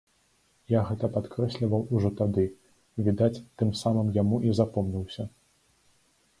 Я гэта падкрэсліваў ужо тады, відаць, тым самым яму і запомніўся.